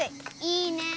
いいねぇ。